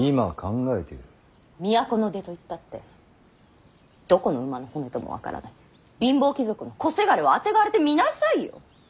都の出といったってどこの馬の骨とも分からない貧乏貴族の小せがれをあてがわれてみなさいよ。